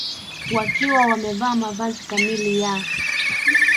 wakiwa wamevaa mavazi kamili ya